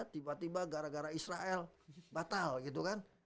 tiba tiba gara gara israel batal gitu kan